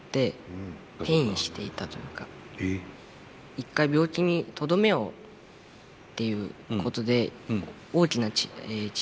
一回病気にとどめをっていうことで大きな治療をしたんですよ。